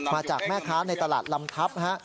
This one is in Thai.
มาจากแม่ค้าในตลาดลำทัพ